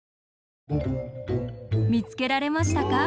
みつけられましたか？